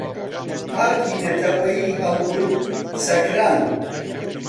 پارکی نەتەوەییی هەڵگورد سەکران